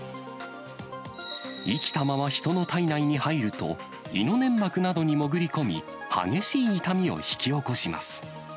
生きたまま人の体内に入ると、胃の粘膜などに潜り込み、激しい痛みを引き起こします。